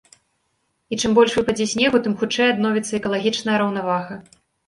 І чым больш выпадзе снегу, тым хутчэй адновіцца экалагічная раўнавага.